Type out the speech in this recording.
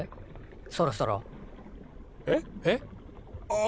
そろそろ。えっ？えっ？ああ！